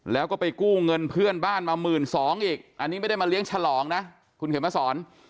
แล้วก็ไปกู้เงินเพื่อนบ้านมา๑๒๐๐อีกอันนี้ไม่ได้มาเลี้ยงฉลองนะคุณเขียนมาสอน